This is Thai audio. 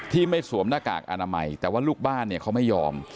ไม่สวมหน้ากากอนามัยแต่ว่าลูกบ้านเนี่ยเขาไม่ยอม